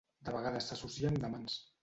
De vegades s'associa amb damans.